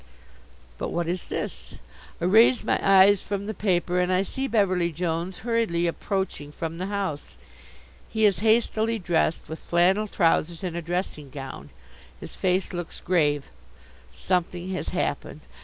But what is this? I raise my eyes from the paper and I see Beverly Jones hurriedly approaching from the house. He is hastily dressed, with flannel trousers and a dressing gown. His face looks grave. Something has happened.